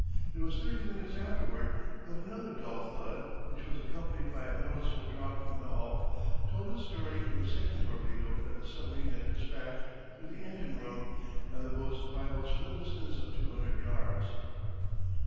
It was thirty minutes afterward that another dull thud, which was accompanied by a noticeable drop in the hulk, told its story of the second torpedo that the submarine had despatched through the engine room and the boat's vitals from a distance of two hundred yards.